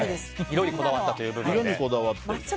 色にこだわったという部分で。